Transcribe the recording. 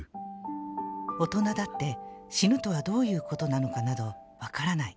「大人だって、死ぬとはどういうことなのかなどわからない。